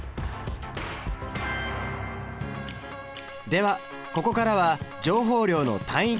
ではここからは情報量の単位クイズ！